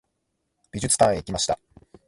美術館へ行きました。